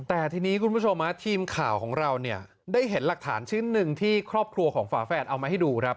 แต่ทีนี้คุณผู้ชมทีมข่าวของเราเนี่ยได้เห็นหลักฐานชิ้นหนึ่งที่ครอบครัวของฝาแฝดเอามาให้ดูครับ